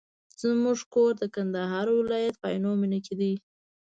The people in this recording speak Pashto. زموږ کور د کندهار ولایت په عينو مېنه کي دی.